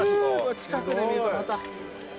近くで見るとまた。